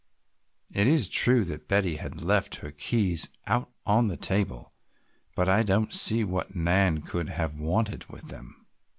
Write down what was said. It is true that Betty had left her keys out on the table, but I don't see what Nan could have wanted with them?"